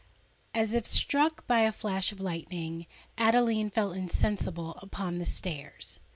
As if struck by a flash of lightning, Adeline fell insensible upon the stairs.